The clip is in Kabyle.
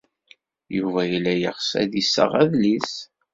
Yuba yella yeɣs ad d-iseɣ adlis.